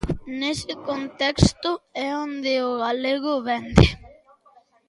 Nese contexto é onde o galego vende.